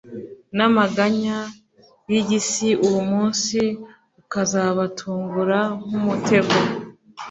n'amaganya y'iyi si uwo munsi ukazabatungura nk'umutego."